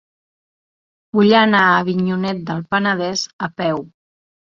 Vull anar a Avinyonet del Penedès a peu.